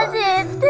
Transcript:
tadi mas jenten